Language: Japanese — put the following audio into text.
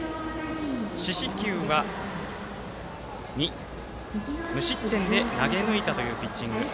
四死球は２、無失点で投げ抜いたというピッチング。